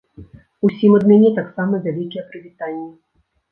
Усім ад мяне таксама вялікія прывітанні.